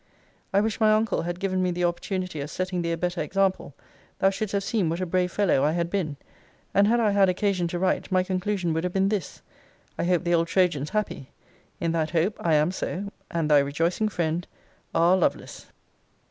I wish my uncle had given me the opportunity of setting thee a better example: thou shouldst have seen what a brave fellow I had been. And had I had occasion to write, my conclusion would have been this: 'I hope the old Trojan's happy. In that hope, I am so; and 'Thy rejoicing friend, 'R. LOVELACE.'